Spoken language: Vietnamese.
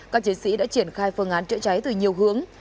các chiến sĩ đã triển khai phương án chữa cháy từ nhiều hướng